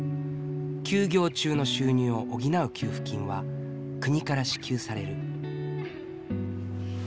休業中の収入を補う給付金は国から支給される。